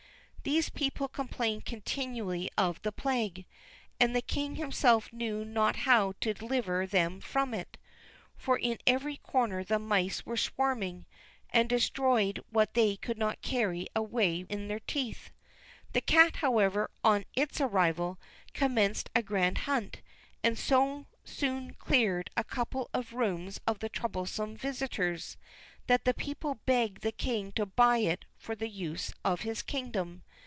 These people complained continually of the plague, and the king himself knew not how to deliver them from it; for in every corner the mice were swarming, and destroyed what they could not carry away in their teeth. The cat, however, on its arrival, commenced a grand hunt; and so soon cleared a couple of rooms of the troublesome visitors, that the people begged the king to buy it for the use of his kingdom.